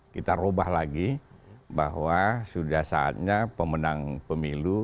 kita ubah lagi bahwa sudah saatnya pemenang pemilu